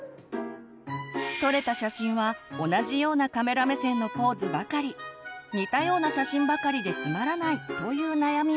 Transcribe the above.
撮れた写真は同じようなカメラ目線のポーズばかり似たような写真ばかりでつまらないという悩みも。